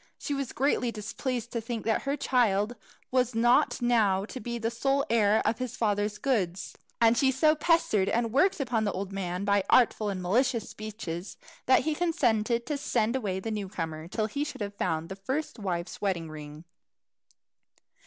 She was greatly displeased to think that her child was not now to be the sole heir of his father's goods; and she so pestered and worked upon the old man by artful and malicious speeches, that he consented to send away the new comer till he should have found the first wife's wedding ring.